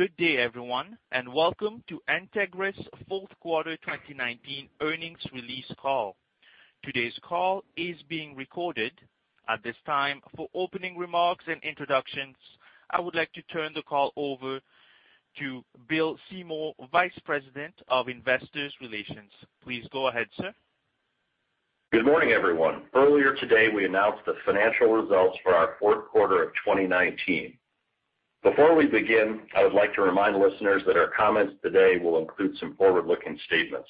Good day, everyone, and welcome to Entegris' fourth quarter 2019 earnings release call. Today's call is being recorded. At this time, for opening remarks and introductions, I would like to turn the call over to Bill Seymour, Vice President of Investor Relations. Please go ahead, sir. Good morning, everyone. Earlier today, we announced the financial results for our fourth quarter of 2019. Before we begin, I would like to remind listeners that our comments today will include some forward-looking statements.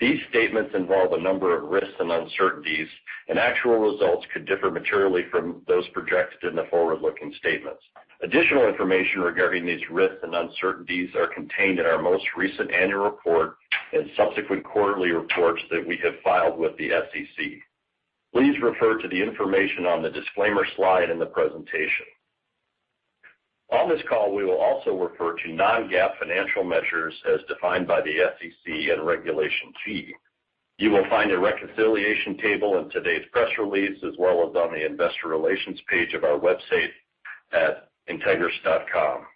These statements involve a number of risks and uncertainties, and actual results could differ materially from those projected in the forward-looking statements. Additional information regarding these risks and uncertainties are contained in our most recent annual report and subsequent quarterly reports that we have filed with the SEC. Please refer to the information on the disclaimer slide in the presentation. On this call, we will also refer to non-GAAP financial measures as defined by the SEC and Regulation G. You will find a reconciliation table in today's press release, as well as on the Investor Relations page of our website at entegris.com.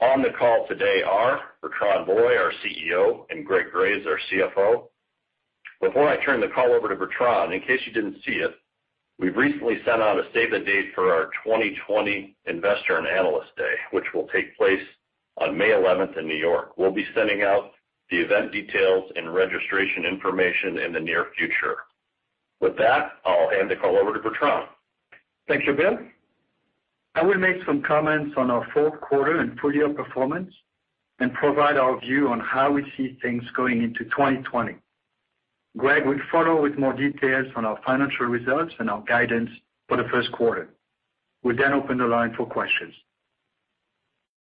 On the call today are Bertrand Loy, our CEO, and Greg Graves, our CFO. Before I turn the call over to Bertrand, in case you didn't see it, we've recently sent out a save-the-date for our 2020 Investor and Analyst Day, which will take place on May 11th in New York. We'll be sending out the event details and registration information in the near future. With that, I'll hand the call over to Bertrand. Thank you, Bill. I will make some comments on our fourth-year and full-year performance and provide our view on how we see things going into 2020. Greg will follow with more details on our financial results and our guidance for the first quarter. We'll then open the line for questions.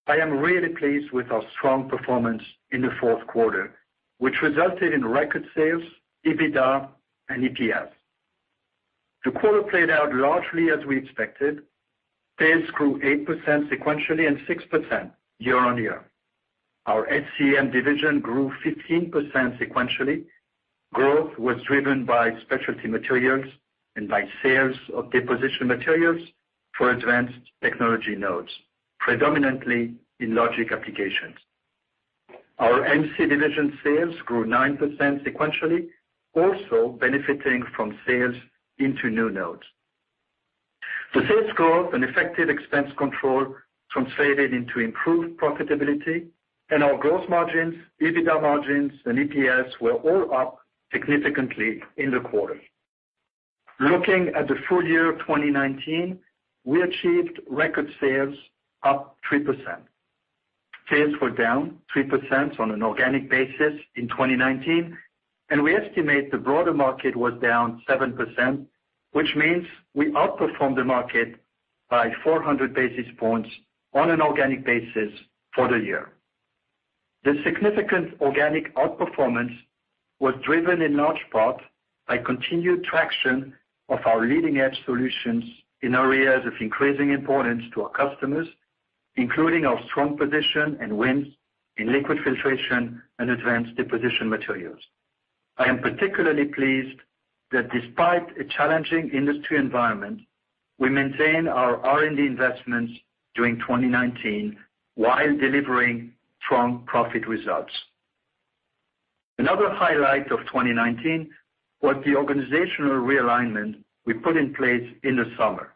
I am really pleased with our strong performance in the fourth quarter, which resulted in record sales, EBITDA, and EPS. The quarter played out largely as we expected. Sales grew 8% sequentially and 6% year-on-year. Our SCEM division grew 15% sequentially. Growth was driven by specialty materials and by sales of deposition materials for advanced technology nodes, predominantly in logic applications. Our MC division sales grew 9% sequentially, also benefiting from sales into new nodes. The sales growth and effective expense control translated into improved profitability, and our growth margins, EBITDA margins, and EPS were all up significantly in the quarter. Looking at the full year 2019, we achieved record sales up 3%. Sales were down 3% on an organic basis in 2019, and we estimate the broader market was down 7%, which means we outperformed the market by 400 basis points on an organic basis for the year. The significant organic outperformance was driven in large part by continued traction of our leading-edge solutions in areas of increasing importance to our customers, including our strong position and wins in liquid filtration and Advanced Deposition Materials. I am particularly pleased that despite a challenging industry environment, we maintained our R&D investments during 2019 while delivering strong profit results. Another highlight of 2019 was the organizational realignment we put in place in the summer.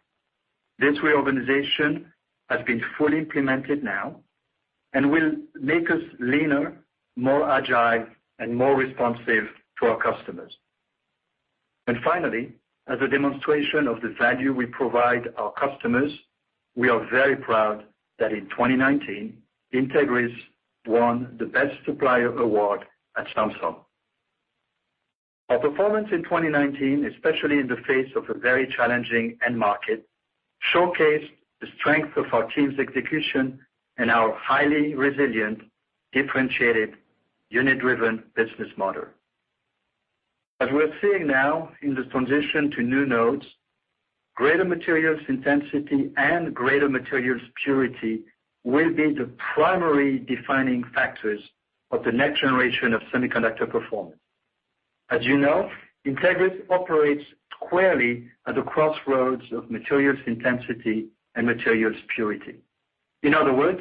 This reorganization has been fully implemented now and will make us leaner, more agile, and more responsive to our customers. Finally, as a demonstration of the value we provide our customers, we are very proud that in 2019, Entegris won the Best Supplier Award at Samsung. Our performance in 2019, especially in the face of a very challenging end market, showcased the strength of our team's execution and our highly resilient, differentiated, unit-driven business model. As we are seeing now in the transition to new nodes, greater materials intensity and greater materials purity will be the primary defining factors of the next generation of semiconductor performance. As you know, Entegris operates squarely at the crossroads of materials intensity and materials purity. In other words,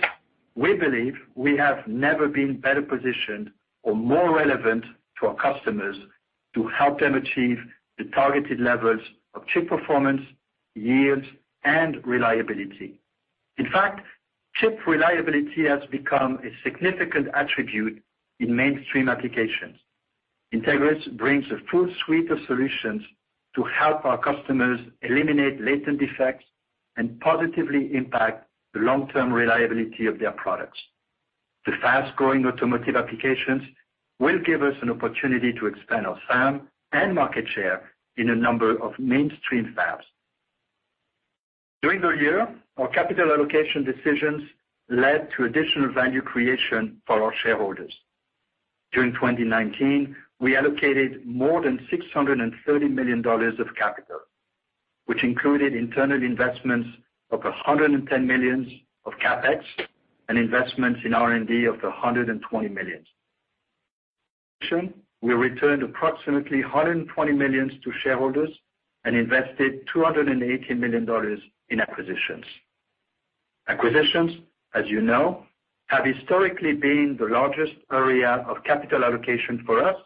we believe we have never been better positioned or more relevant to our customers to help them achieve the targeted levels of chip performance, yields, and reliability. In fact, chip reliability has become a significant attribute in mainstream applications. Entegris brings a full suite of solutions to help our customers eliminate latent defects and positively impact the long-term reliability of their products. The fast-growing automotive applications will give us an opportunity to expand our fab and market share in a number of mainstream fabs. During the year, our capital allocation decisions led to additional value creation for our shareholders. During 2019, we allocated more than $630 million of capital, which included internal investments of $110 million of CapEx and investments in R&D of $120 million. We returned approximately $120 million to shareholders and invested $280 million in acquisitions. Acquisitions, as you know, have historically been the largest area of capital allocation for us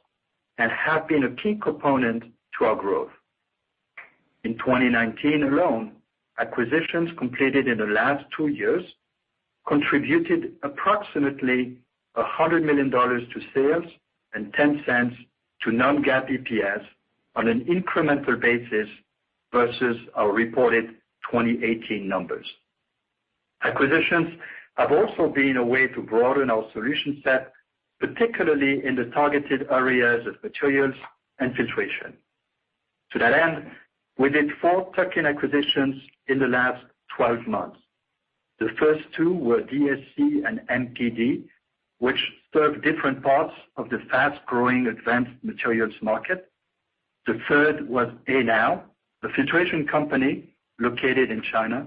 and have been a key component to our growth. In 2019 alone, acquisitions completed in the last two years contributed approximately $100 million to sales and $0.10 to non-GAAP EPS on an incremental basis versus our reported 2018 numbers. Acquisitions have also been a way to broaden our solution set, particularly in the targeted areas of materials and filtration. To that end, we did four tuck-in acquisitions in the last 12 months. The first two were DSC and MPD, which serve different parts of the fast-growing advanced materials market. The third was Anow, a filtration company located in China.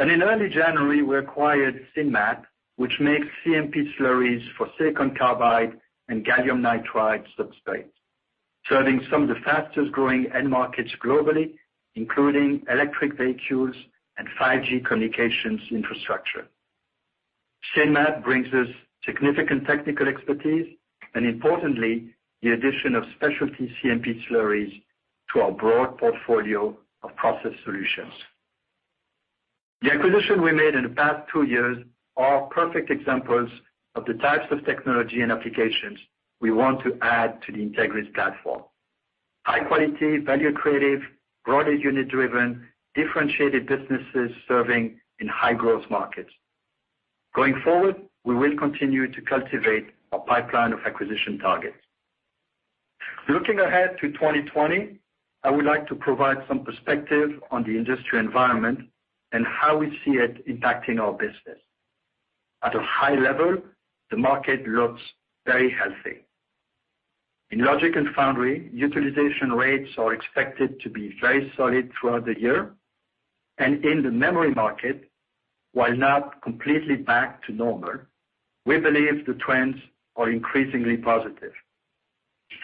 In early January, we acquired Sinmat, which makes CMP slurries for silicon carbide and gallium nitride substrates, serving some of the fastest-growing end markets globally, including electric vehicles and 5G communications infrastructure. Sinmat brings us significant technical expertise and importantly, the addition of specialty CMP slurries to our broad portfolio of process solutions. The acquisitions we made in the past two years are perfect examples of the types of technology and applications we want to add to the Entegris platform: high quality, value creative, broadly unit driven, differentiated businesses serving in high-growth markets. Going forward, we will continue to cultivate a pipeline of acquisition targets. Looking ahead to 2020, I would like to provide some perspective on the industry environment and how we see it impacting our business. At a high level, the market looks very healthy. In logic and foundry, utilization rates are expected to be very solid throughout the year. In the memory market, while not completely back to normal, we believe the trends are increasingly positive.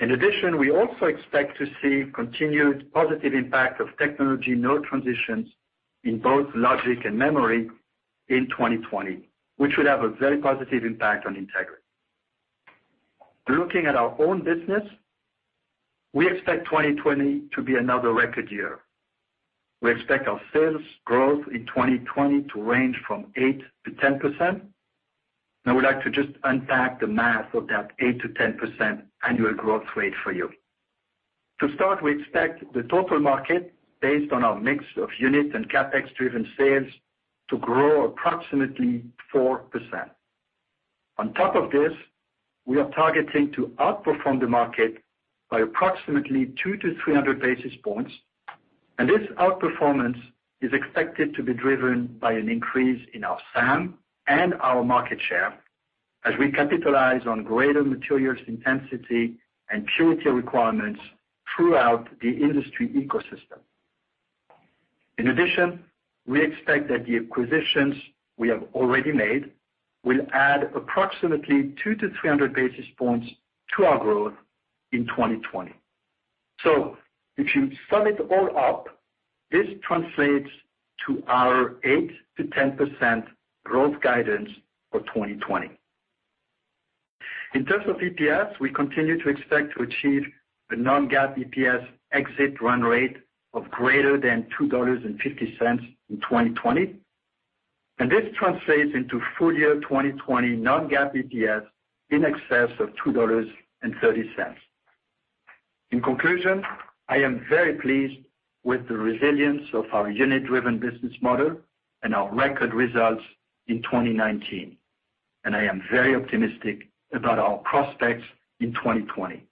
In addition, we also expect to see continued positive impact of technology node transitions in both logic and memory in 2020, which would have a very positive impact on Entegris. Looking at our own business, we expect 2020 to be another record year. We expect our sales growth in 2020 to range from 8%-10%. I would like to just unpack the math of that 8%-10% annual growth rate for you. To start, we expect the total market, based on our mix of units and CapEx-driven sales, to grow approximately 4%. On top of this, we are targeting to outperform the market by approximately 200-300 basis points. This outperformance is expected to be driven by an increase in our SAM and our market share as we capitalize on greater materials intensity and purity requirements throughout the industry ecosystem. In addition, we expect that the acquisitions we have already made will add approximately 200-300 basis points to our growth in 2020. If you sum it all up, this translates to our 8%-10% growth guidance for 2020. In terms of EPS, we continue to expect to achieve a non-GAAP EPS exit run rate of greater than $2.50 in 2020, and this translates into full-year 2020 non-GAAP EPS in excess of $2.30. In conclusion, I am very pleased with the resilience of our unit-driven business model and our record results in 2019, and I am very optimistic about our prospects in 2020.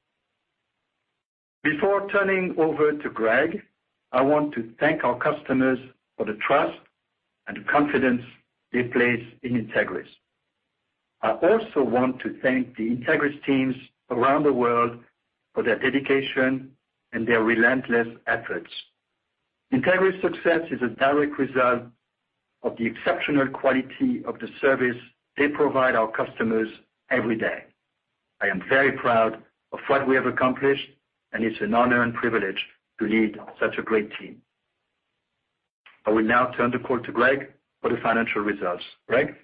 Before turning over to Greg, I want to thank our customers for the trust and confidence they place in Entegris. I also want to thank the Entegris teams around the world for their dedication and their relentless efforts. Entegris success is a direct result of the exceptional quality of the service they provide our customers every day. I am very proud of what we have accomplished, it's an honor and privilege to lead such a great team. I will now turn the call to Greg for the financial results. Greg?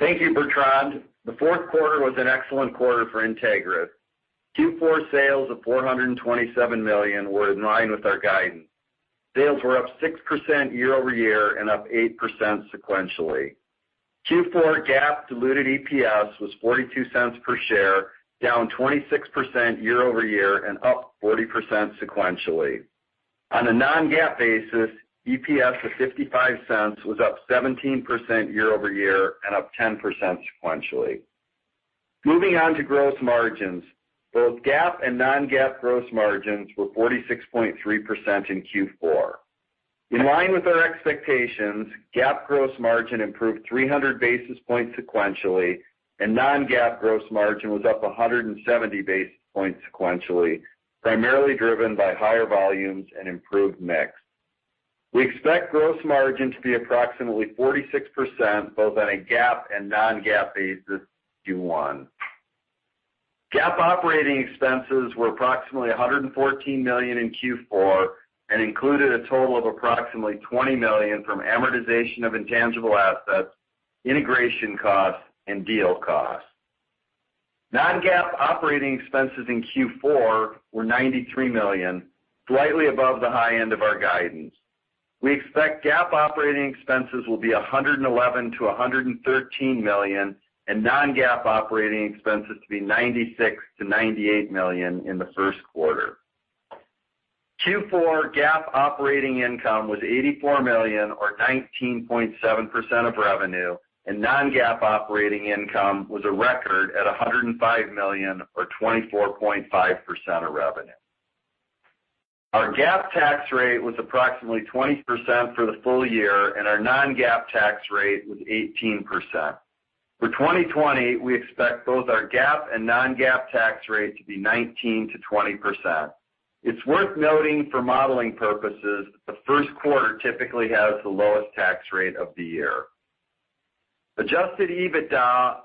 Thank you, Bertrand. The fourth quarter was an excellent quarter for Entegris. Q4 sales of $427 million were in line with our guidance. Sales were up 6% year-over-year and up 8% sequentially. Q4 GAAP diluted EPS was $0.42 per share, down 26% year-over-year and up 40% sequentially. On a non-GAAP basis, EPS of $0.55 was up 17% year-over-year and up 10% sequentially. Moving on to gross margins. Both GAAP and non-GAAP gross margins were 46.3% in Q4. In line with our expectations, GAAP gross margin improved 300 basis points sequentially, and non-GAAP gross margin was up 170 basis points sequentially, primarily driven by higher volumes and improved mix. We expect gross margin to be approximately 46%, both on a GAAP and non-GAAP basis, Q1. GAAP operating expenses were approximately $114 million in Q4, and included a total of approximately $20 million from amortization of intangible assets, integration costs, and deal costs. Non-GAAP operating expenses in Q4 were $93 million, slightly above the high end of our guidance. We expect GAAP operating expenses will be $111 million-$113 million, and non-GAAP operating expenses to be $96 million-$98 million in the first quarter. Q4 GAAP operating income was $84 million, or 19.7% of revenue, and non-GAAP operating income was a record at $105 million, or 24.5% of revenue. Our GAAP tax rate was approximately 20% for the full year, and our non-GAAP tax rate was 18%. For 2020, we expect both our GAAP and non-GAAP tax rate to be 19%-20%. It's worth noting for modeling purposes, the first quarter typically has the lowest tax rate of the year. Adjusted EBITDA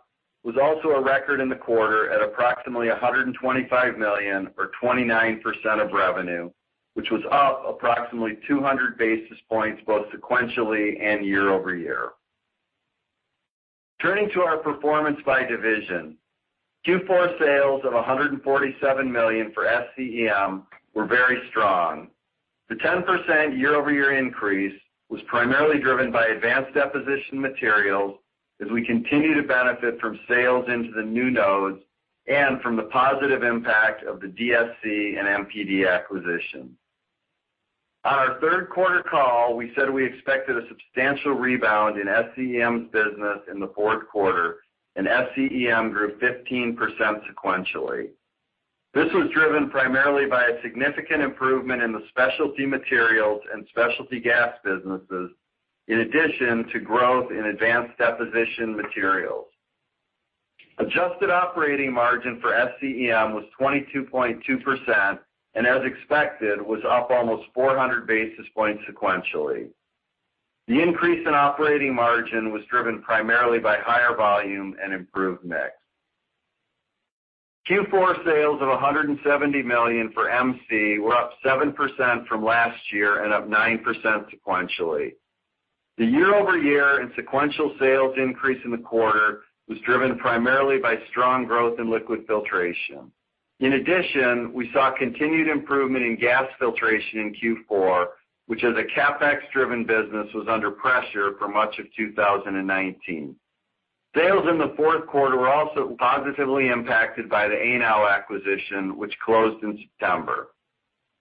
was also a record in the quarter at approximately $125 million, or 29% of revenue, which was up approximately 200 basis points, both sequentially and year-over-year. Turning to our performance by division. Q4 sales of $147 million for SCEM were very strong. The 10% year-over-year increase was primarily driven by Advanced Deposition Materials, as we continue to benefit from sales into the new nodes and from the positive impact of the DSC and MPD acquisition. On our third quarter call, we said we expected a substantial rebound in SCEM's business in the fourth quarter, and SCEM grew 15% sequentially. This was driven primarily by a significant improvement in the specialty materials and specialty gas businesses, in addition to growth in Advanced Deposition Materials. Adjusted operating margin for SCEM was 22.2%, and as expected, was up almost 400 basis points sequentially. The increase in operating margin was driven primarily by higher volume and improved mix. Q4 sales of $170 million for MC were up 7% from last year, and up 9% sequentially. The year-over-year and sequential sales increase in the quarter was driven primarily by strong growth in liquid filtration. In addition, we saw continued improvement in gas filtration in Q4, which as a CapEx driven business, was under pressure for much of 2019. Sales in the fourth quarter were also positively impacted by the Anow acquisition, which closed in September.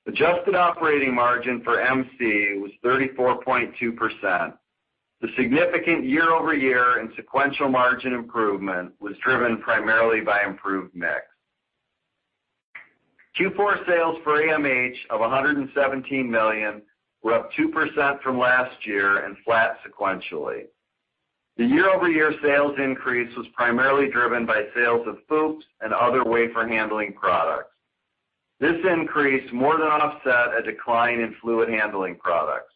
Adjusted operating margin for MC was 34.2%. The significant year-over-year and sequential margin improvement was driven primarily by improved mix. Q4 sales for AMH of $117 million were up 2% from last year and flat sequentially. The year-over-year sales increase was primarily driven by sales of FOUPs and other wafer handling products. This increase more than offset a decline in fluid handling products.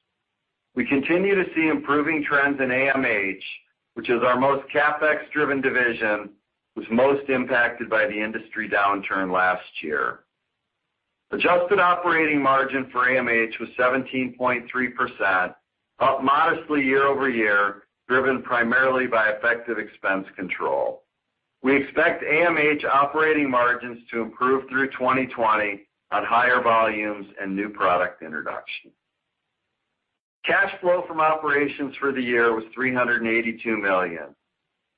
We continue to see improving trends in AMH, which as our most CapEx driven division, was most impacted by the industry downturn last year. Adjusted operating margin for AMH was 17.3%, up modestly year-over-year, driven primarily by effective expense control. We expect AMH operating margins to improve through 2020 on higher volumes and new product introduction. Cash flow from operations for the year was $382 million.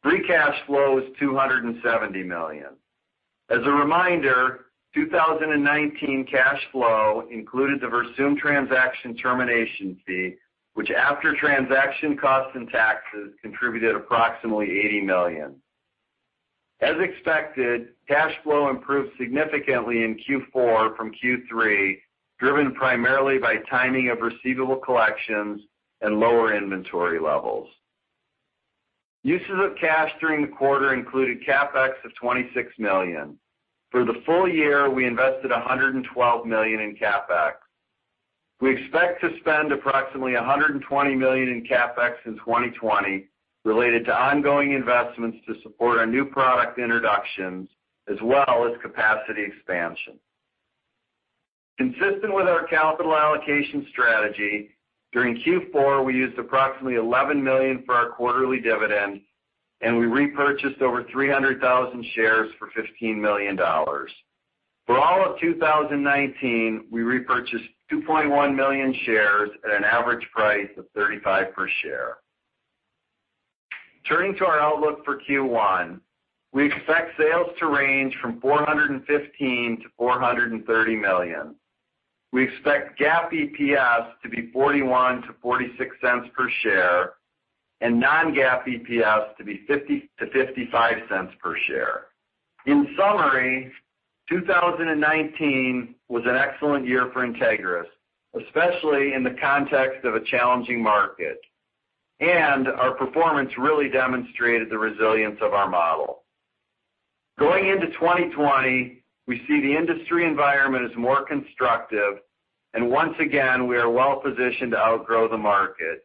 Free cash flow was $270 million. As a reminder, 2019 cash flow included the Versum transaction termination fee, which after transaction costs and taxes, contributed approximately $80 million. As expected, cash flow improved significantly in Q4 from Q3, driven primarily by timing of receivable collections and lower inventory levels. Uses of cash during the quarter included CapEx of $26 million. For the full year, we invested $112 million in CapEx. We expect to spend approximately $120 million in CapEx in 2020 related to ongoing investments to support our new product introductions, as well as capacity expansion. Consistent with our capital allocation strategy, during Q4, we used approximately $11 million for our quarterly dividend, and we repurchased over 300,000 shares for $15 million. For all of 2019, we repurchased 2.1 million shares at an average price of $35.00 Per share. Turning to our outlook for Q1, we expect sales to range from $415 million-$430 million. We expect GAAP EPS to be $0.41-$0.46 per share, and non-GAAP EPS to be $0.50-$0.55 per share. In summary, 2019 was an excellent year for Entegris, especially in the context of a challenging market. Our performance really demonstrated the resilience of our model. Going into 2020, we see the industry environment is more constructive, and once again, we are well-positioned to outgrow the market,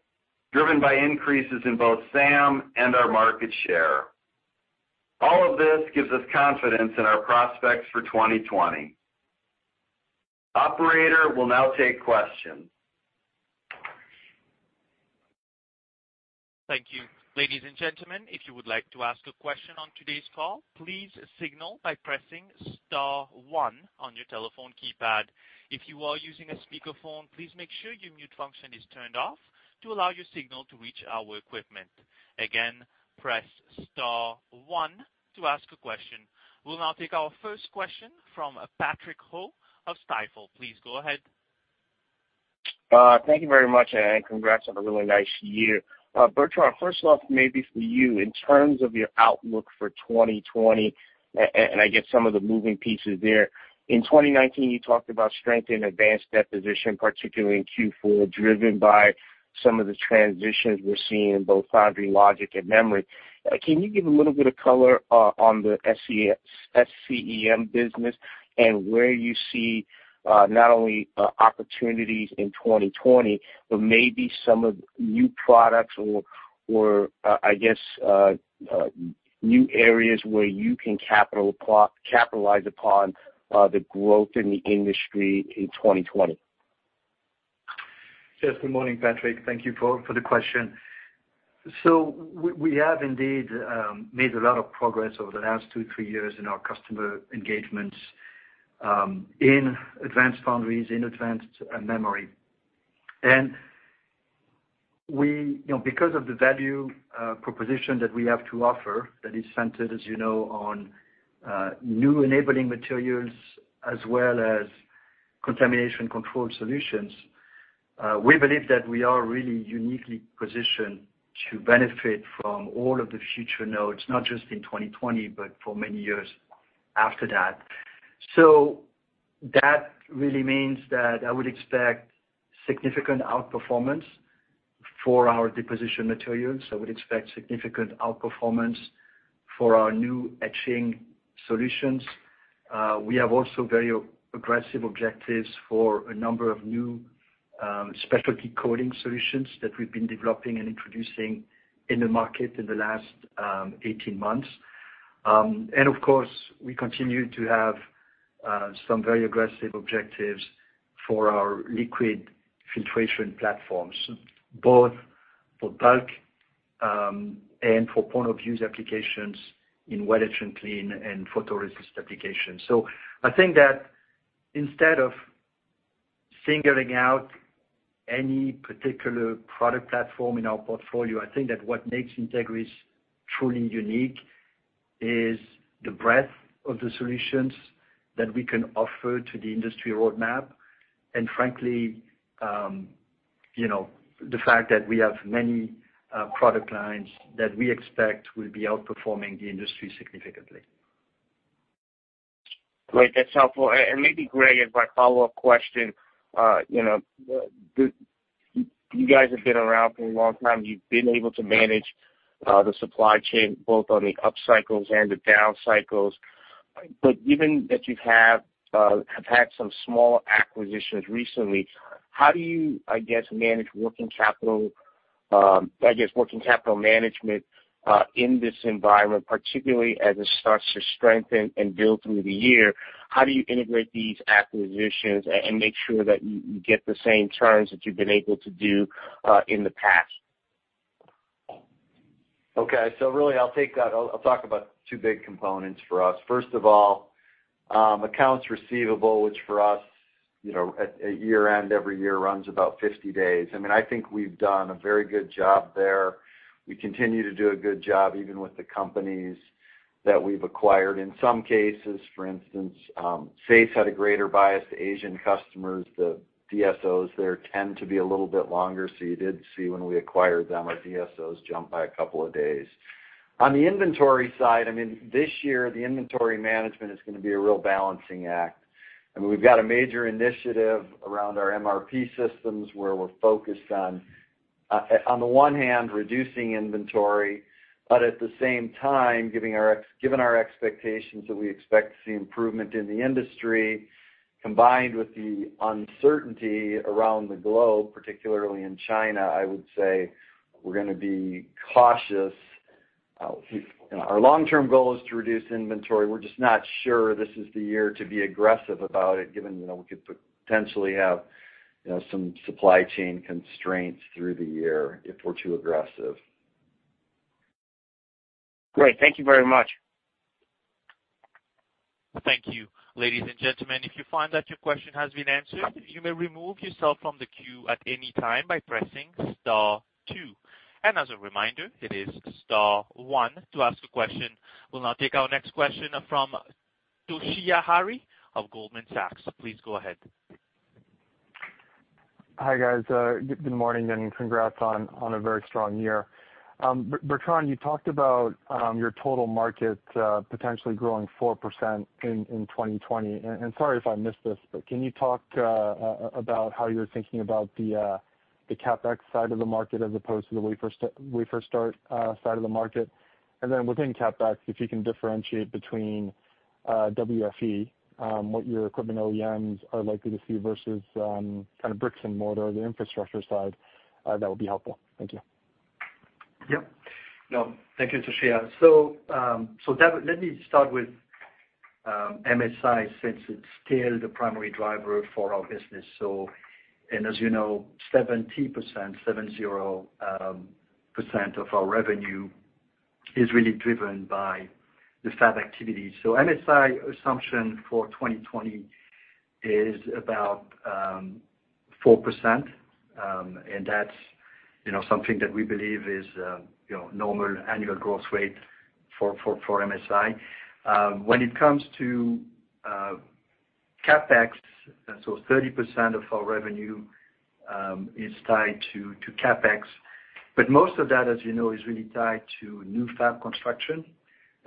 driven by increases in both SAM and our market share. All of this gives us confidence in our prospects for 2020. Operator, we'll now take questions. Thank you. Ladies and gentlemen, if you would like to ask a question on today's call, please signal by pressing star one on your telephone keypad. If you are using a speakerphone, please make sure your mute function is turned off to allow your signal to reach our equipment. Again, press star one to ask a question. We'll now take our first question from Patrick Ho of Stifel. Please go ahead. Thank you very much, and congrats on a really nice year. Bertrand, first off, maybe for you, in terms of your outlook for 2020, and I guess some of the moving pieces there. In 2019, you talked about strength in advanced deposition, particularly in Q4, driven by some of the transitions we're seeing in both foundry logic and memory. Can you give a little bit of color on the SCEM business and where you see not only opportunities in 2020, but maybe some of the new products or, I guess, new areas where you can capitalize upon the growth in the industry in 2020? Yes, good morning, Patrick. Thank you for the question. We have indeed made a lot of progress over the last two, three years in our customer engagements in advanced foundries, in advanced memory. Because of the value proposition that we have to offer that is centered, as you know, on new enabling materials as well as contamination control solutions, we believe that we are really uniquely positioned to benefit from all of the future nodes, not just in 2020, but for many years after that. That really means that I would expect significant outperformance for our deposition materials. I would expect significant outperformance for our new etching chemistries. We have also very aggressive objectives for a number of new specialty coating solutions that we've been developing and introducing in the market in the last 18 months. Of course, we continue to have some very aggressive objectives for our liquid filtration platforms, both for bulk and for point-of-use applications in wet etch and clean and photoresist applications. I think that instead of singling out any particular product platform in our portfolio, I think that what makes Entegris truly unique is the breadth of the solutions that we can offer to the industry roadmap, and frankly, the fact that we have many product lines that we expect will be outperforming the industry significantly. Great. That's helpful. Maybe, Greg, as my follow-up question, you guys have been around for a long time. You've been able to manage the supply chain both on the up cycles and the down cycles. Given that you have had some small acquisitions recently, how do you, I guess, manage working capital management in this environment, particularly as it starts to strengthen and build through the year? How do you integrate these acquisitions and make sure that you get the same returns that you've been able to do in the past? Okay. Really, I'll talk about two big components for us. First of all, accounts receivable, which for us, at year-end every year runs about 50 days. I think we've done a very good job there. We continue to do a good job even with the companies that we've acquired. In some cases, for instance, SAES had a greater bias to Asian customers. The DSOs there tend to be a little bit longer. You did see when we acquired them, our DSOs jumped by a couple of days. On the inventory side, this year, the inventory management is going to be a real balancing act. We've got a major initiative around our MRP systems where we're focused on the one hand, reducing inventory, but at the same time, given our expectations that we expect to see improvement in the industry, combined with the uncertainty around the globe, particularly in China, I would say we're going to be cautious. Our long-term goal is to reduce inventory. We're just not sure this is the year to be aggressive about it, given we could potentially have some supply chain constraints through the year if we're too aggressive. Great. Thank you very much. Thank you. Ladies and gentlemen, if you find that your question has been answered, you may remove yourself from the queue at any time by pressing star two. As a reminder, it is star one to ask a question. We will now take our next question from Toshiya Hari of Goldman Sachs. Please go ahead. Hi, guys. Good morning. Congrats on a very strong year. Bertrand, you talked about your total market potentially growing 4% in 2020. Sorry if I missed this, but can you talk about how you're thinking about the CapEx side of the market as opposed to the wafer start side of the market. Within CapEx, if you can differentiate between WFE, what your equipment OEMs are likely to see versus kind of bricks and mortar, the infrastructure side, that would be helpful. Thank you. Yep. Thank you, Toshiya. [David], let me start with MSI since it's still the primary driver for our business. As you know, 70% of our revenue is really driven by the fab activity. MSI assumption for 2020 is about 4%, and that's something that we believe is a normal annual growth rate for MSI. When it comes to CapEx, 30% of our revenue is tied to CapEx. Most of that, as you know, is really tied to new fab construction,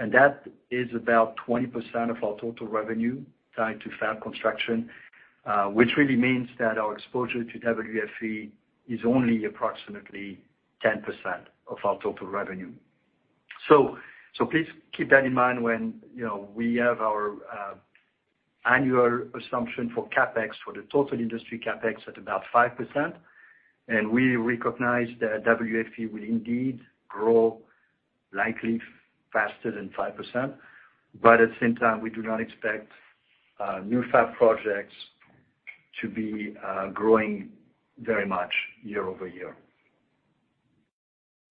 and that is about 20% of our total revenue tied to fab construction, which really means that our exposure to WFE is only approximately 10% of our total revenue. Please keep that in mind when we have our annual assumption for CapEx, for the total industry CapEx, at about 5%. We recognize that WFE will indeed grow likely faster than 5%, but at the same time, we do not expect new fab projects to be growing very much year-over-year.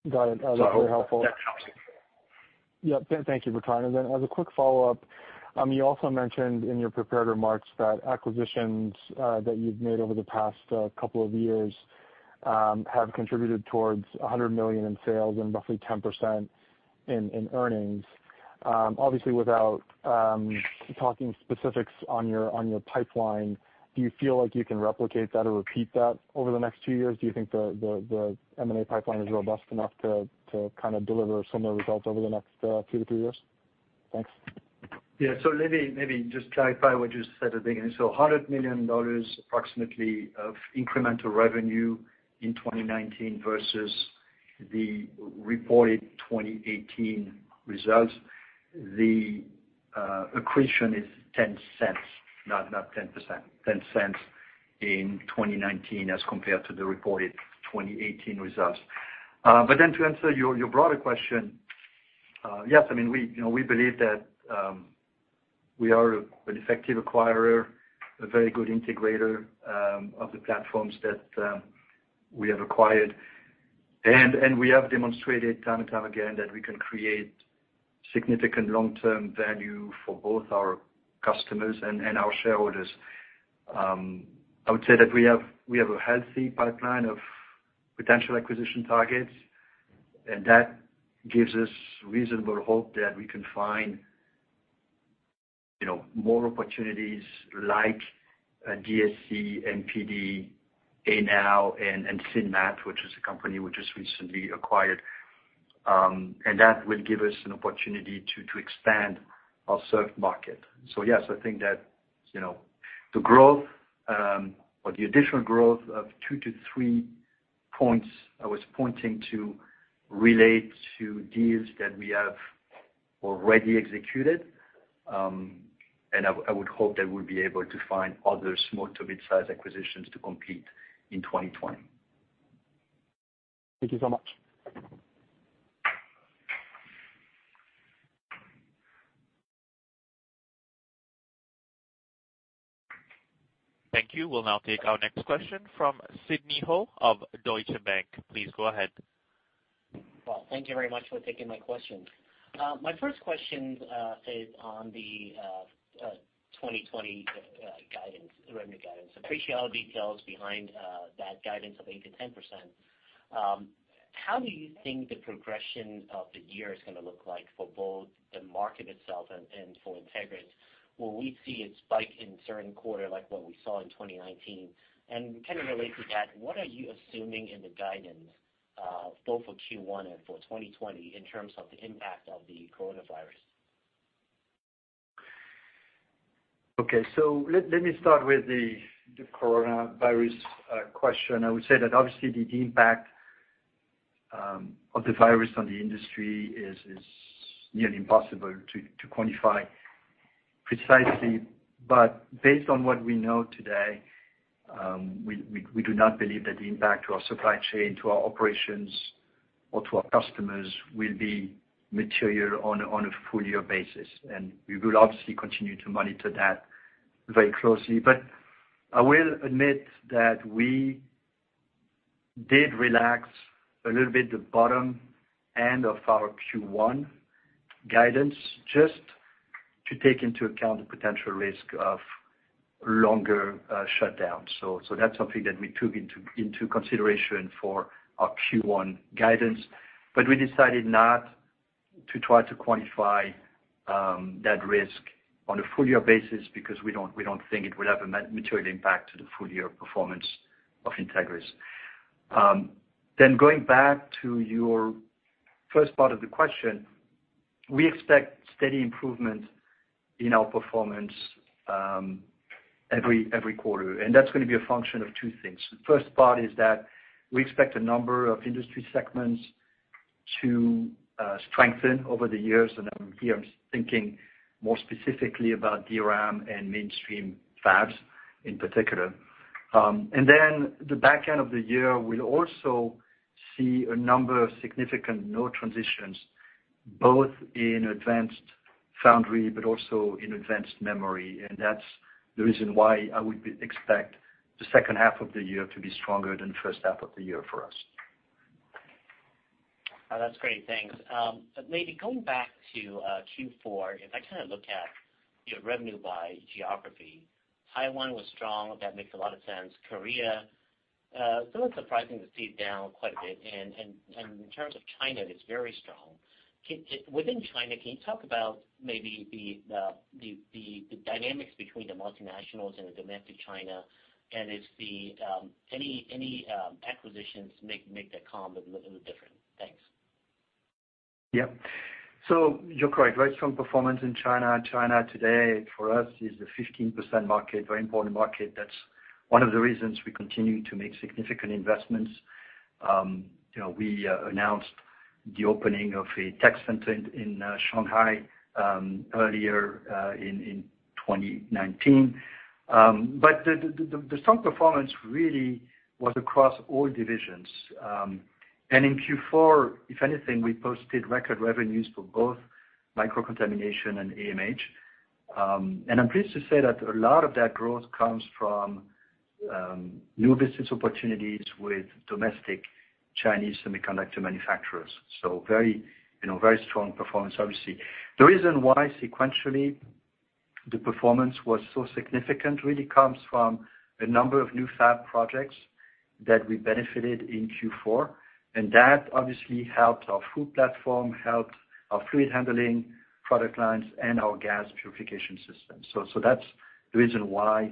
Got it. That's very helpful. I hope that helps. Yep, thank you for tying it in. As a quick follow-up, you also mentioned in your prepared remarks that acquisitions that you've made over the past couple of years have contributed towards $100 million in sales and roughly 10% in earnings. Obviously, without talking specifics on your pipeline, do you feel like you can replicate that or repeat that over the next two years? Do you think the M&A pipeline is robust enough to kind of deliver similar results over the next two to three years? Thanks. Let me maybe just clarify what you said at the beginning. $100 million approximately of incremental revenue in 2019 versus the reported 2018 results. The accretion is $0.10, not 10%. $0.10 in 2019 as compared to the reported 2018 results. To answer your broader question, yes, we believe that we are an effective acquirer, a very good integrator of the platforms that we have acquired. We have demonstrated time and time again that we can create significant long-term value for both our customers and our shareholders. I would say that we have a healthy pipeline of potential acquisition targets, and that gives us reasonable hope that we can find more opportunities like DSC, MPD, Anow, and Sinmat, which is a company we just recently acquired. That will give us an opportunity to expand our served market. Yes, I think that the growth or the additional growth of 2-3 points I was pointing to relate to deals that we have already executed, and I would hope that we'll be able to find other small to mid-size acquisitions to complete in 2020. Thank you so much. Thank you. We'll now take our next question from Sidney Ho of Deutsche Bank. Please go ahead. Well, thank you very much for taking my question. My first question is on the 2020 revenue guidance. Appreciate all the details behind that guidance of 8%-10%. How do you think the progression of the year is going to look like for both the market itself and for Entegris? Will we see a spike in certain quarter like what we saw in 2019? Kind of related to that, what are you assuming in the guidance, both for Q1 and for 2020 in terms of the impact of the coronavirus? Okay. Let me start with the coronavirus question. I would say that obviously the impact of the virus on the industry is nearly impossible to quantify precisely. Based on what we know today, we do not believe that the impact to our supply chain, to our operations, or to our customers will be material on a full-year basis. We will obviously continue to monitor that very closely. I will admit that we did relax a little bit the bottom end of our Q1 guidance just to take into account the potential risk of longer shutdowns. That's something that we took into consideration for our Q1 guidance. We decided not to try to quantify that risk on a full-year basis because we don't think it would have a material impact to the full-year performance of Entegris. Going back to your first part of the question. We expect steady improvement in our performance every quarter, and that's going to be a function of two things. The first part is that we expect a number of industry segments to strengthen over the years, and here I'm thinking more specifically about DRAM and mainstream fabs in particular. The back end of the year will also see a number of significant node transitions, both in advanced foundry, but also in advanced memory. That's the reason why I would expect the second half of the year to be stronger than first half of the year for us. That's great. Thanks. Maybe going back to Q4, if I look at your revenue by geography, Taiwan was strong. That makes a lot of sense. Korea, somewhat surprising to see it down quite a bit. In terms of China, it's very strong. Within China, can you talk about maybe the dynamics between the multinationals and the domestic China, and if any acquisitions make that comp a little different? Thanks. Yeah. You're correct. Very strong performance in China. China today for us is the 15% market, very important market. That's one of the reasons we continue to make significant investments. We announced the opening of a tech center in Shanghai earlier in 2019. The strong performance really was across all divisions. In Q4, if anything, we posted record revenues for both Microcontamination and AMH. I'm pleased to say that a lot of that growth comes from new business opportunities with domestic Chinese semiconductor manufacturers. Very strong performance, obviously. The reason why sequentially the performance was so significant really comes from a number of new fab projects that we benefited in Q4, and that obviously helped our full platform, helped our fluid handling product lines and our gas purification system. That's the reason why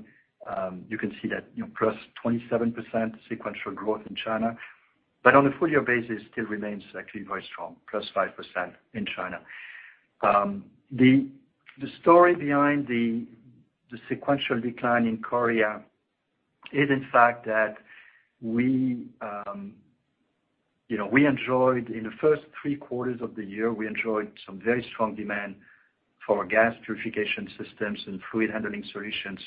you can see that +27% sequential growth in China, but on a full-year basis, still remains actually very strong, +5% in China. The story behind the sequential decline in Korea is, in fact, that we enjoyed, in the first three quarters of the year, we enjoyed some very strong demand for our gas purification systems and fluid handling solutions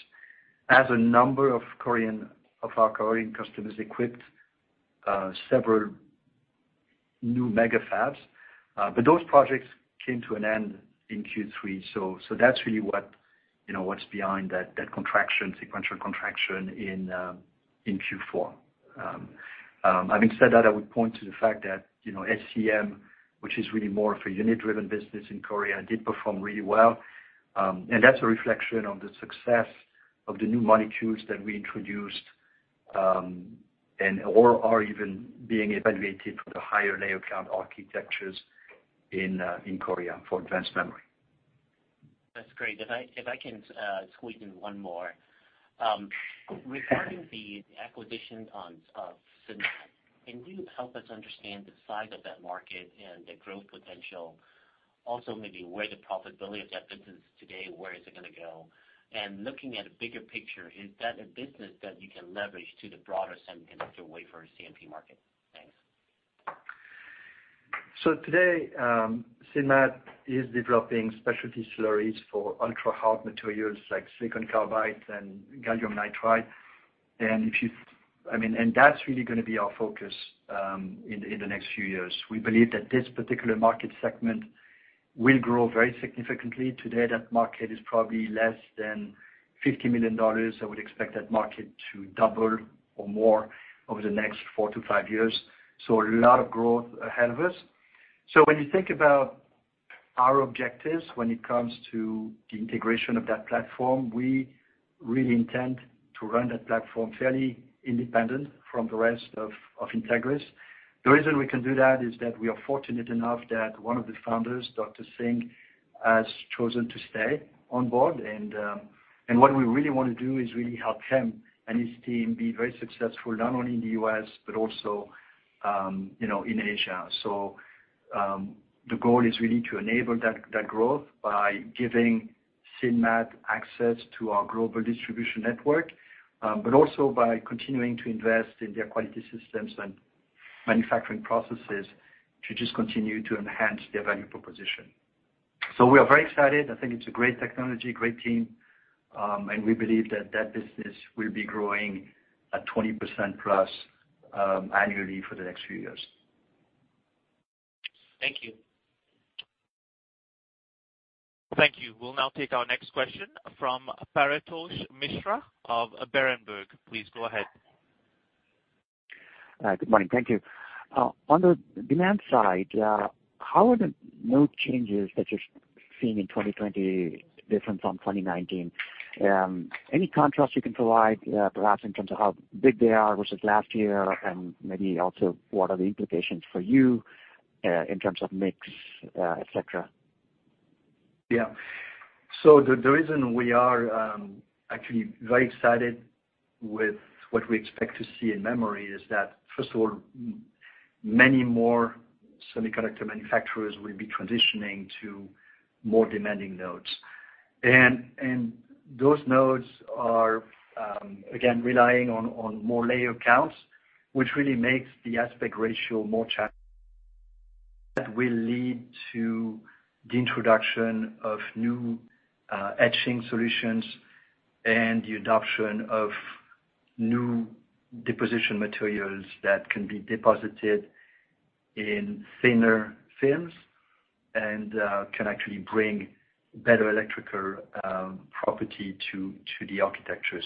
as a number of our Korean customers equipped several new mega fabs. Those projects came to an end in Q3. That's really what's behind that sequential contraction in Q4. Having said that, I would point to the fact that SCEM, which is really more of a unit-driven business in Korea, did perform really well. That's a reflection on the success of the new molecules that we introduced and/or are even being evaluated for the higher layer count architectures in Korea for advanced memory. That's great. If I can squeeze in one more. Regarding the acquisition of Sinmat, can you help us understand the size of that market and the growth potential? Also, maybe where the profitability of that business is today, where is it going to go? Looking at a bigger picture, is that a business that you can leverage to the broader semiconductor wafer CMP market? Thanks. Today, Sinmat is developing specialty slurries for ultra-hard materials like silicon carbide and gallium nitride. That's really going to be our focus in the next few years. We believe that this particular market segment will grow very significantly. Today, that market is probably less than $50 million. I would expect that market to double or more over the next four to five years. A lot of growth ahead of us. When you think about our objectives when it comes to the integration of that platform, we really intend to run that platform fairly independent from the rest of Entegris. The reason we can do that is that we are fortunate enough that one of the founders, Dr. Singh, has chosen to stay on board, and what we really want to do is really help him and his team be very successful, not only in the U.S., but also in Asia. The goal is really to enable that growth by giving Sinmat access to our global distribution network, but also by continuing to invest in their quality systems and manufacturing processes to just continue to enhance their value proposition. We are very excited. I think it's a great technology, great team, and we believe that that business will be growing at 20%+ annually for the next few years. Thank you. Thank you. We'll now take our next question from Paretosh Misra of Berenberg. Please go ahead. Good morning. Thank you. On the demand side, how are the node changes that you're seeing in 2020 different from 2019? Any contrast you can provide, perhaps in terms of how big they are versus last year, and maybe also what are the implications for you in terms of mix, et cetera? Yeah. The reason we are actually very excited with what we expect to see in memory is that, first of all, many more semiconductor manufacturers will be transitioning to more demanding nodes. Those nodes are, again, relying on more layer counts, which really makes the aspect ratio more challenging. That will lead to the introduction of new etching solutions and the adoption of new deposition materials that can be deposited in thinner films and can actually bring better electrical property to the architecture.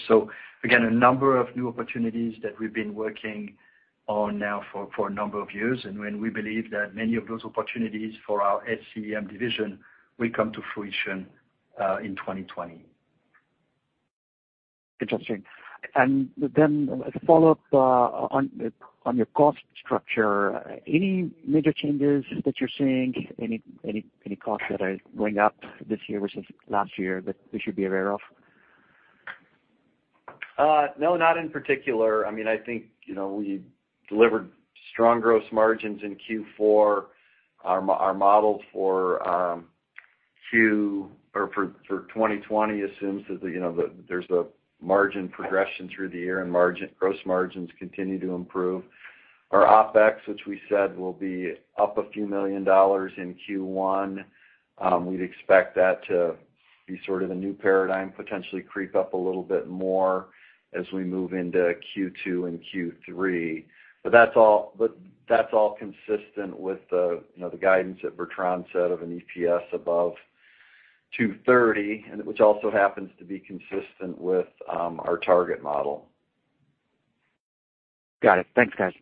Again, a number of new opportunities that we've been working on now for a number of years, and when we believe that many of those opportunities for our SCEM division will come to fruition in 2020. Interesting. As a follow-up on your cost structure, any major changes that you're seeing? Any costs that are going up this year versus last year that we should be aware of? No, not in particular. I think we delivered strong gross margins in Q4. Our model for 2020 assumes that there's a margin progression through the year and gross margins continue to improve. Our OpEx, which we said will be up a few million dollars in Q1, we'd expect that to be sort of the new paradigm, potentially creep up a little bit more as we move into Q2 and Q3. That's all consistent with the guidance that Bertrand said of an EPS above $2.30, and which also happens to be consistent with our target model. Got it. Thanks, guys.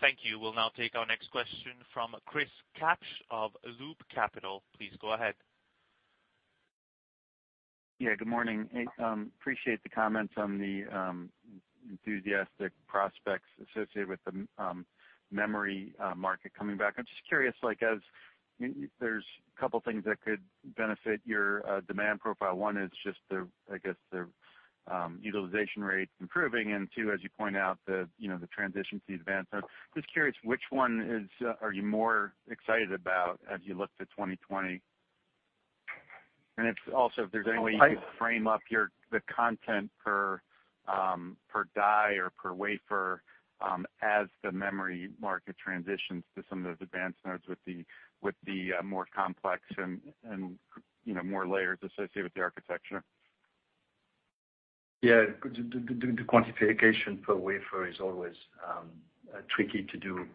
Thank you. We'll now take our next question from Chris Kapsch of Loop Capital. Please go ahead. Yeah, good morning. Appreciate the comments on the enthusiastic prospects associated with the memory market coming back. I'm just curious, as there's a couple of things that could benefit your demand profile. One is just the, I guess, the utilization rate improving, and two, as you point out, the transition to the advanced node. Just curious, which one are you more excited about as you look to 2020? And if also there's any way you could frame up the content per die or per wafer as the memory market transitions to some of those advanced nodes with the more complex and more layers associated with the architecture. Yeah. The quantification per wafer is always tricky to do.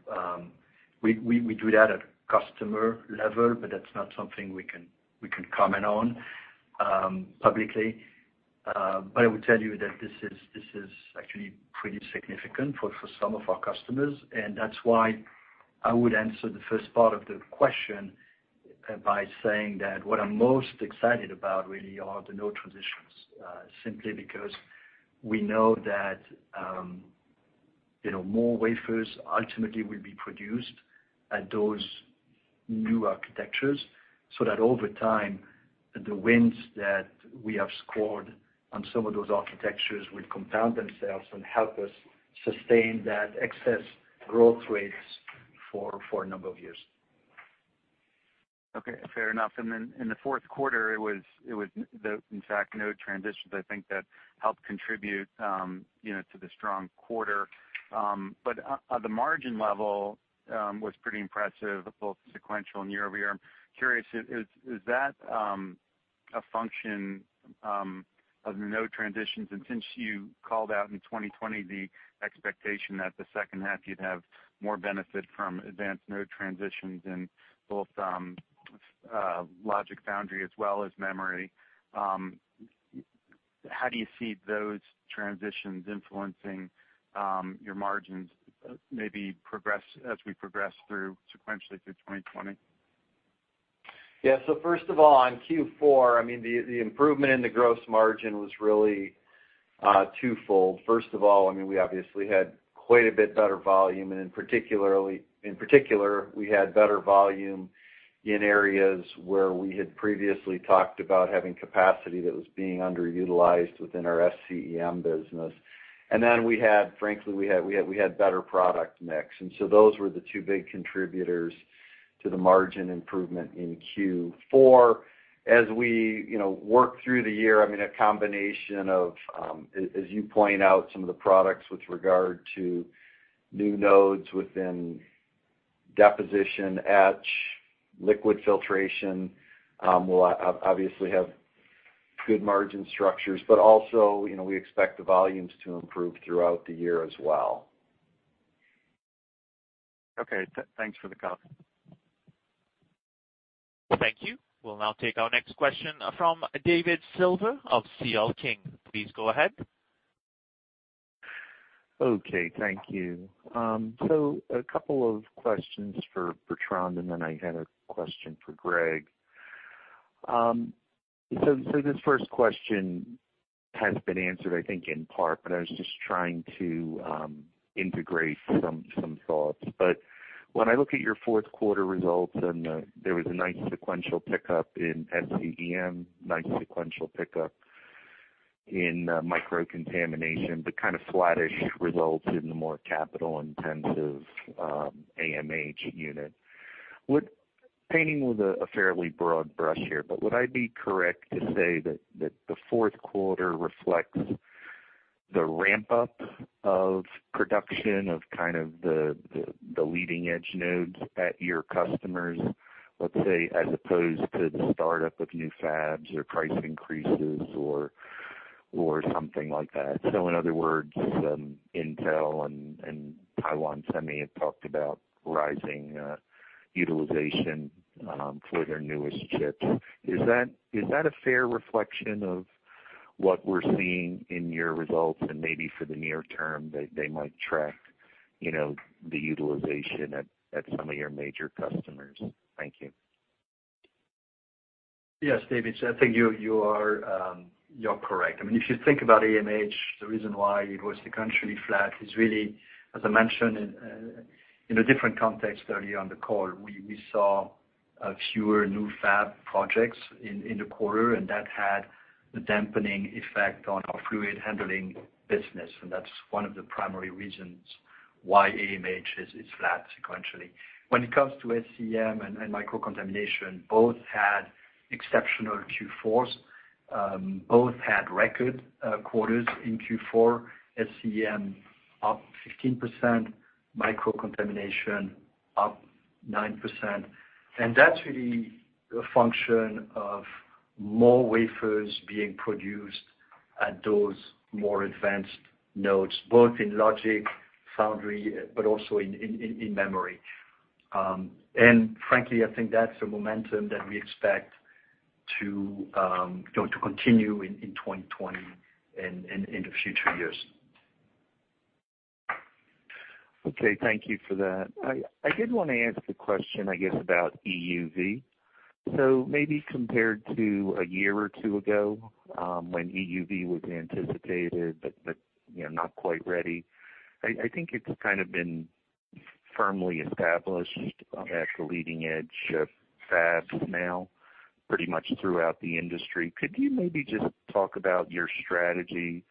We do that at a customer level, but that's not something we can comment on publicly. I would tell you that this is actually pretty significant for some of our customers, and that's why I would answer the first part of the question by saying that what I'm most excited about really are the node transitions. Simply because we know that more wafers ultimately will be produced at those new architectures, so that over time, the wins that we have scored on some of those architectures will compound themselves and help us sustain that excess growth rates for a number of years. Okay, fair enough. In the fourth quarter, it was the, in fact, node transitions, I think that helped contribute to the strong quarter. The margin level was pretty impressive, both sequential and year-over-year. I'm curious, is that a function of the node transitions? Since you called out in 2020 the expectation that the second half you'd have more benefit from advanced node transitions in both logic and foundry as well as memory, how do you see those transitions influencing your margins, maybe as we progress through sequentially through 2020? First of all, on Q4, the improvement in the gross margin was really twofold. First of all, we obviously had quite a bit better volume, and in particular, we had better volume in areas where we had previously talked about having capacity that was being underutilized within our SCEM business. Frankly, we had better product mix. Those were the two big contributors to the margin improvement in Q4. As we work through the year, a combination of, as you point out, some of the products with regard to new nodes within deposition, etch, liquid filtration, will obviously have good margin structures. Also, we expect the volumes to improve throughout the year as well. Okay. Thanks for the comment. Thank you. We'll now take our next question from David Silver of C.L. King. Please go ahead. Okay, thank you. A couple of questions for Bertrand, and then I had a question for Greg. This first question has been answered, I think, in part, but I was just trying to integrate some thoughts. When I look at your fourth quarter results and there was a nice sequential pickup in SCEM, nice sequential pickup in Microcontamination, but kind of flattish results in the more capital-intensive AMH unit. Painting with a fairly broad brush here, but would I be correct to say that the fourth quarter reflects the ramp-up of production of kind of the leading-edge nodes at your customers, let's say, as opposed to the startup of new fabs or price increases or something like that? In other words, Intel and Taiwan Semi have talked about rising utilization for their newest chips. Is that a fair reflection of what we're seeing in your results and maybe for the near term that they might track the utilization at some of your major customers? Thank you. Yes, David. I think you are correct. If you think about AMH, the reason why it was sequentially flat is really, as I mentioned in a different context earlier on the call, we saw fewer new fab projects in the quarter, that had a dampening effect on our fluid handling business. That's one of the primary reasons why AMH is flat sequentially. When it comes to SCEM and Microcontamination, both had exceptional Q4s. Both had record quarters in Q4. SCEM up 15%, Microcontamination up 9%. That's really a function of more wafers being produced at those more advanced nodes, both in logic/foundry, but also in memory. Frankly, I think that's a momentum that we expect to continue in 2020 and in the future years. Okay. Thank you for that. I did want to ask a question, I guess, about EUV. Maybe compared to a year or two ago, when EUV was anticipated, but not quite ready. I think it's kind of been firmly established at the leading-edge fabs now, pretty much throughout the industry. Could you maybe just talk about your strategy?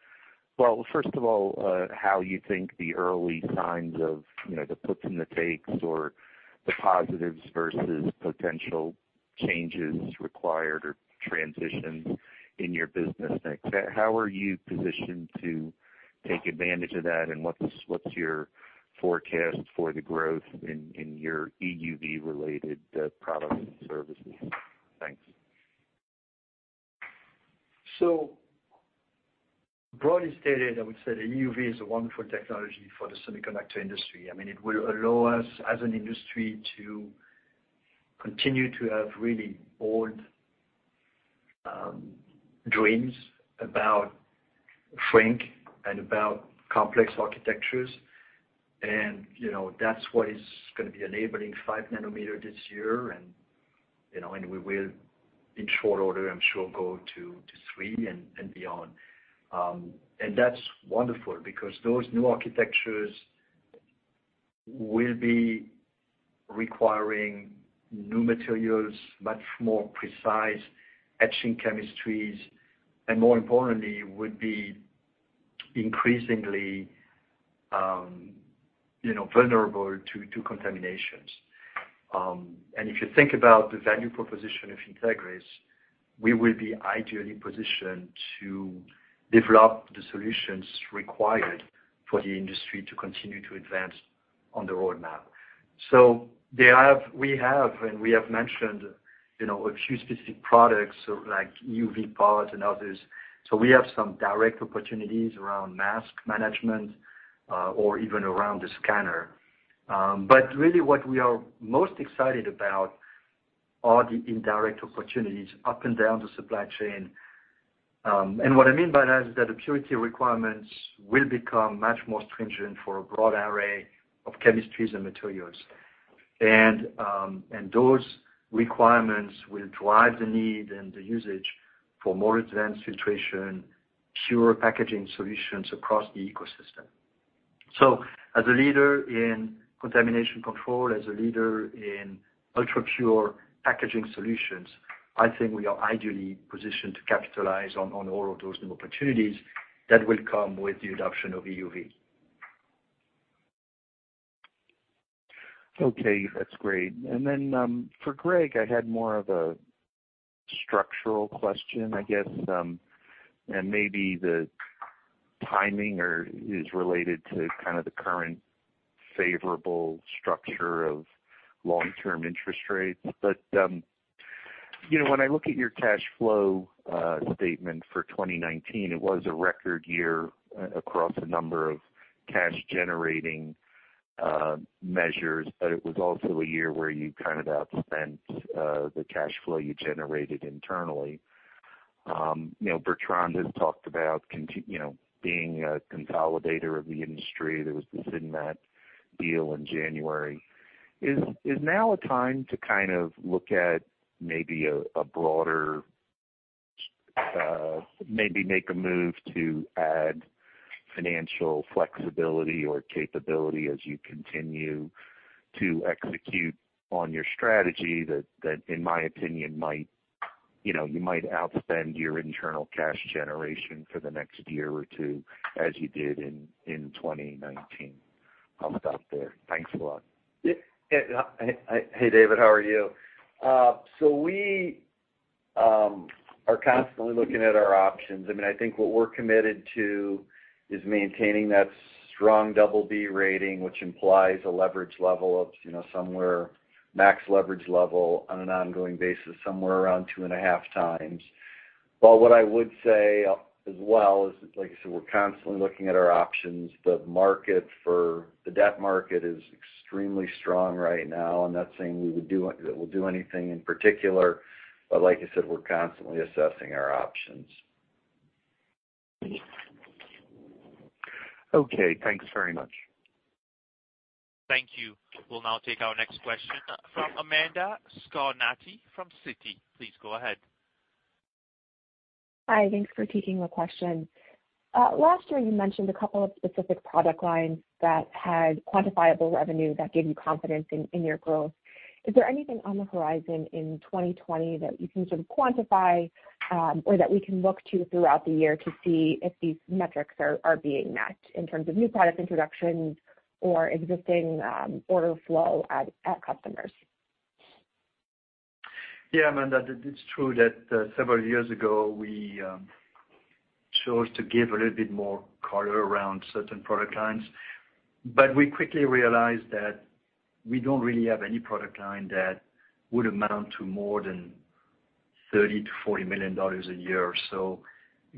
Well, first of all, how you think the early signs of the puts and the takes or the positives versus potential changes required or transitions in your business mix. How are you positioned to take advantage of that, and what's your forecast for the growth in your EUV-related products and services? Thanks. Broadly stated, I would say that EUV is a wonderful technology for the semiconductor industry. It will allow us as an industry to continue to have really bold dreams about shrink and about complex architectures. That's what is going to be enabling 5 nm this year, and we will, in short order, I'm sure, go to 3 nm and beyond. That's wonderful because those new architectures will be requiring new materials, much more precise etching chemistries, and more importantly, would be increasingly vulnerable to contaminations. If you think about the value proposition of Entegris, we will be ideally positioned to develop the solutions required for the industry to continue to advance on the roadmap. We have, and we have mentioned a few specific products like EUV pod and others. We have some direct opportunities around mask management or even around the scanner. Really what we are most excited about are the indirect opportunities up and down the supply chain. What I mean by that is that the purity requirements will become much more stringent for a broad array of chemistries and materials. Those requirements will drive the need and the usage for more advanced filtration, pure packaging solutions across the ecosystem. As a leader in contamination control, as a leader in ultra-pure packaging solutions, I think we are ideally positioned to capitalize on all of those new opportunities that will come with the adoption of EUV. Okay. That's great. Then for Greg, I had more of a structural question, I guess. Maybe the timing is related to kind of the current favorable structure of long-term interest rates. When I look at your cash flow statement for 2019, it was a record year across a number of cash-generating measures, but it was also a year where you kind of outspent the cash flow you generated internally. Bertrand has talked about being a consolidator of the industry. There was the Sinmat deal in January. Is now a time to look at maybe a broader Maybe make a move to add financial flexibility or capability as you continue to execute on your strategy that, in my opinion, you might outspend your internal cash generation for the next year or two as you did in 2019? I'll stop there. Thanks a lot. Hey, David. How are you? We are constantly looking at our options. I think what we're committed to is maintaining that strong double B rating, which implies a max leverage level on an ongoing basis, somewhere around 2.5x. What I would say as well is, like I said, we're constantly looking at our options. The debt market is extremely strong right now. I'm not saying that we'll do anything in particular, like I said, we're constantly assessing our options. Okay, thanks very much. Thank you. We'll now take our next question from Amanda Scarnati from Citi. Please go ahead. Hi. Thanks for taking my question. Last year, you mentioned a couple of specific product lines that had quantifiable revenue that gave you confidence in your growth. Is there anything on the horizon in 2020 that you can quantify or that we can look to throughout the year to see if these metrics are being met in terms of new product introductions or existing order flow at customers? Yeah, Amanda, it's true that several years ago, we chose to give a little bit more color around certain product lines. We quickly realized that we don't really have any product line that would amount to more than $30 million-$40 million a year.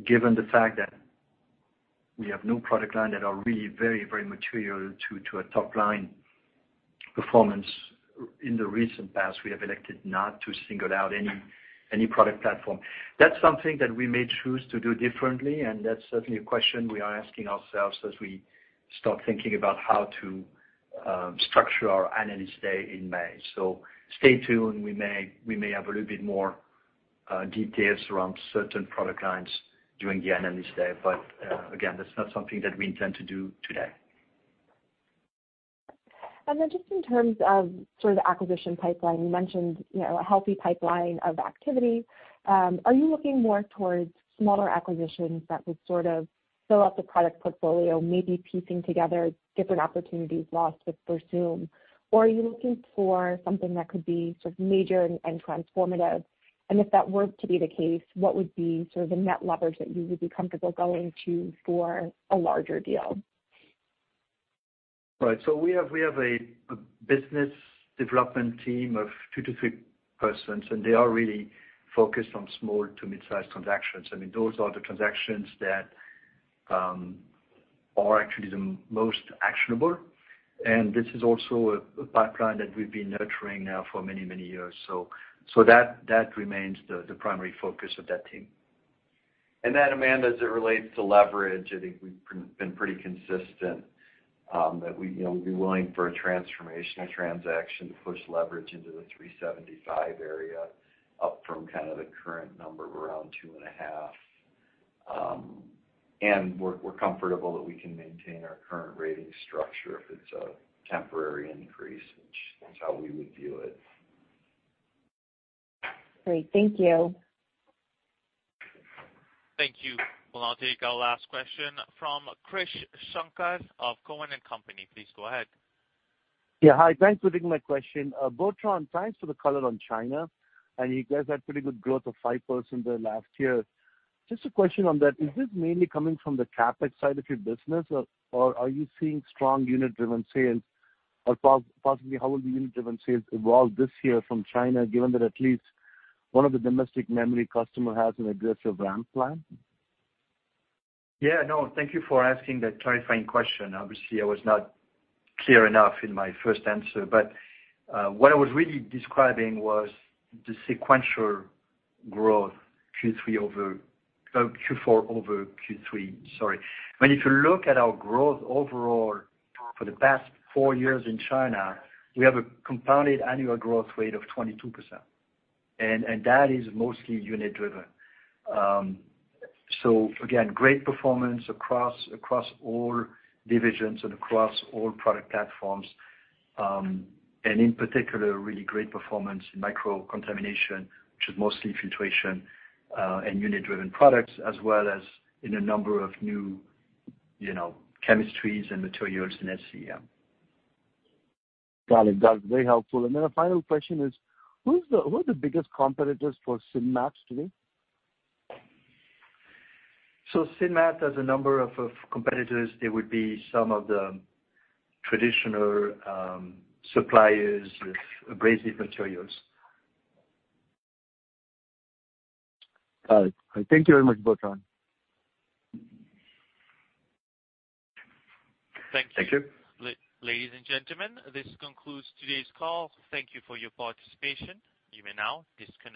Given the fact that we have no product line that are really very material to a top-line performance in the recent past, we have elected not to single out any product platform. That's something that we may choose to do differently, and that's certainly a question we are asking ourselves as we start thinking about how to structure our Analyst Day in May. Stay tuned. We may have a little bit more details around certain product lines during the Analyst Day, again, that's not something that we intend to do today. Just in terms of sort of the acquisition pipeline, you mentioned a healthy pipeline of activity. Are you looking more towards smaller acquisitions that would sort of fill out the product portfolio, maybe piecing together different opportunities lost with Versum, or are you looking for something that could be sort of major and transformative? If that were to be the case, what would be sort of the net leverage that you would be comfortable going to for a larger deal? Right. We have a business development team of two to three persons, and they are really focused on small to mid-size transactions. Those are the transactions that are actually the most actionable, and this is also a pipeline that we've been nurturing now for many years. That remains the primary focus of that team. Amanda, as it relates to leverage, I think we've been pretty consistent that we'd be willing for a transformational transaction to push leverage into the 3.75x area, up from kind of the current number of around 2.5x. We're comfortable that we can maintain our current rating structure if it's a temporary increase, which that's how we would view it. Great. Thank you. Thank you. We'll now take our last question from Krish Sankar of Cowen & Company. Please go ahead. Yeah. Hi. Thanks for taking my question. Bertrand, thanks for the color on China, and you guys had pretty good growth of 5% there last year. Just a question on that, is this mainly coming from the CapEx side of your business, or are you seeing strong unit-driven sales? Possibly, how will the unit-driven sales evolve this year from China, given that at least one of the domestic memory customer has an aggressive ramp plan? Yeah. No, thank you for asking that clarifying question. Obviously, I was not clear enough in my first answer. What I was really describing was the sequential growth, Q4 over Q3. Sorry. If you look at our growth overall for the past four years in China, we have a compounded annual growth rate of 22%, and that is mostly unit-driven. Again, great performance across all divisions and across all product platforms. In particular, really great performance in Microcontamination, which is mostly filtration and unit-driven products, as well as in a number of new chemistries and materials in SCEM. Got it. That's very helpful. A final question is, who are the biggest competitors for Sinmat today? Sinmat has a number of competitors. They would be some of the traditional suppliers of abrasive materials. Got it. Thank you very much, Bertrand. Thank you. Ladies and gentlemen, this concludes today's call. Thank you for your participation. You may now disconnect.